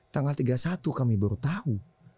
tanggal tiga puluh satu kami baru tahu